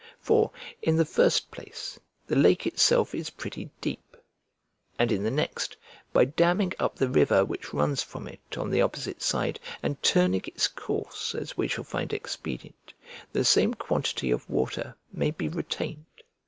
For, in the first place, the lake itself is pretty deep; and in the next, by damming up the river which runs from it on the opposite side and turning its course as we shall find expedient, the same quantity of water may be retained.